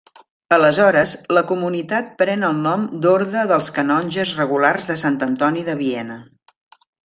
Aleshores, la comunitat pren el nom d'Orde dels Canonges Regulars de Sant Antoni de Viena.